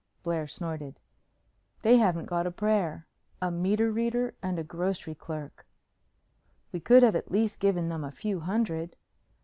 Blair snorted. "They haven't got a prayer. A meter reader and a grocery clerk!" "We could have at least given them a few hundred."